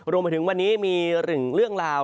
รวมไปถึงวันนี้มีหนึ่งเรื่องราว